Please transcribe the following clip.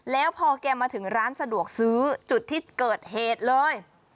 แล้วพอแกมาถึงร้านสะดวกซื้อจุดที่เกิดเหตุเลย